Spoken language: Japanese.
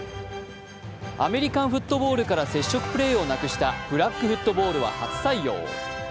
アメリカンフットボールから接触プレーをなくしたフラッグフットボールは、初採用。